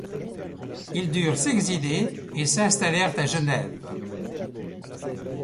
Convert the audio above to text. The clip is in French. Ils durent s'exiler et s'installèrent à Genève.